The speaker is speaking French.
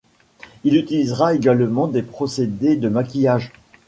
Il utilisera également des procédés de maquillage.